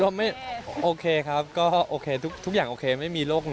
ไปตรวจสุขภาพแล้วโอเค